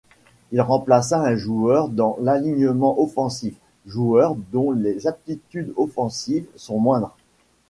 Il remplace un joueur dans l'alignement offensif, joueur dont les aptitudes offensives sont moindres.